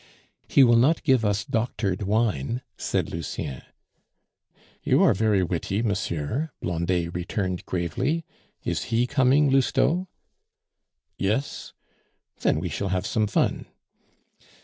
"He will not give us doctored wine," said Lucien. "You are very witty, monsieur," Blondet returned gravely. "Is he coming, Lousteau?" "Yes." "Then we shall have some fun."